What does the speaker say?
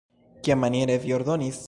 Kiamaniere vi ordonis?